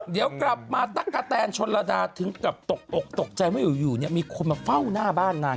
เดี๋ยวกลับมาตั๊กกะแตนชนระดาถึงกับตกอกตกใจว่าอยู่เนี่ยมีคนมาเฝ้าหน้าบ้านนาง